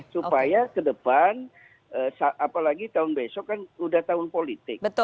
supaya ke depan apalagi tahun besok kan sudah tahun politik